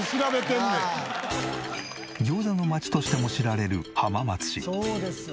餃子の街としても知られる浜松市。